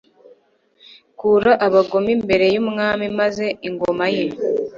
Kura abagome imbere y umwami Maze ingoma ye